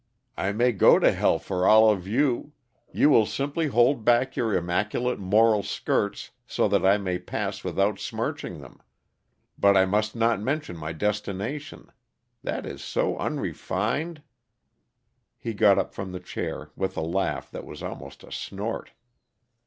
I may go to hell, for all of you you will simply hold back your immaculate, moral skirts so that I may pass without smirching them; but I must not mention my destination that is so unrefined!" He got up from the chair, with a laugh that was almost a snort.